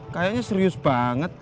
kayaknya serius banget